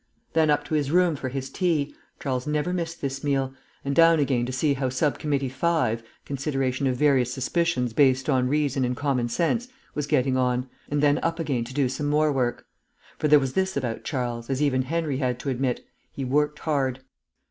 Then up to his room for his tea (Charles never missed this meal) and down again to see how Sub Committee 5 ("Consideration of Various Suspicions based on Reason and Common Sense") was getting on, and then up again to do some more work. (For there was this about Charles, as even Henry had to admit he worked hard.